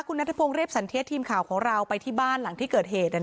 คุณนัทพงศ์เรียบสันเทียดทีมข่าวของเราไปที่บ้านหลังที่เกิดเหตุ